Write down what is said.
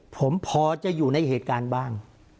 ผมพอจะอยู่ในเหตุการณ์บ้าง